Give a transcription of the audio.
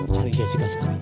cari jessica sekarang